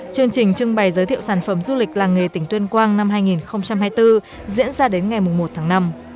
chương trình trưng bày giới thiệu sản phẩm du lịch làng nghề tỉnh tuyên quang năm hai nghìn hai mươi bốn diễn ra đến ngày một tháng năm